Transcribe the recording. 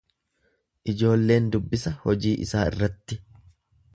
Ijoolleen dubbisa hojii isaa irratti.